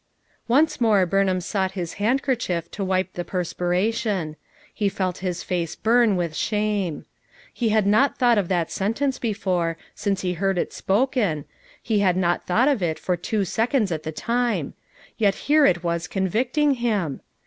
Once more Burnham sought his handkerchief to wipe the perspiration; he felt his face burn with shame. He had not thought of that sen tence before, since he heard it spoken ; he had not thought of it for two seconds at the lime — yet here it was convicting him!